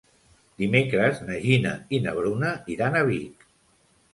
Dimecres na Gina i na Bruna iran a Vic.